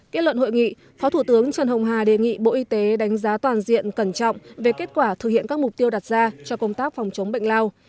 kết luận hội nghị phó thủ tướng trần hồng hà đề nghị bộ y tế đánh giá toàn diện cẩn trọng về kết quả thực hiện các mục tiêu đặt ra cho công tác phòng chống bệnh lao